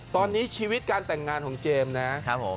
ตอนนี้ชีวิตการแต่งงานของเจมส์นะครับผม